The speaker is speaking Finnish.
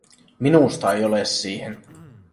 Minusta ei ole siihen.